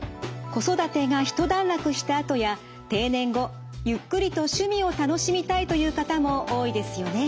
子育てが一段落したあとや定年後ゆっくりと趣味を楽しみたいという方も多いですよね。